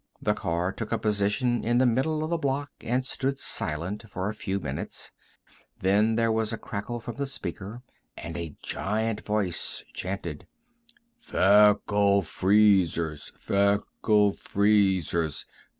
The car took a position in the middle of the block and stood silent for a few minutes. Then there was a crackle from the speaker, and a giant voice chanted: "Feckle Freezers! Feckle Freezers!